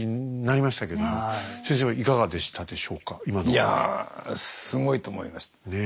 いやすごいと思いました。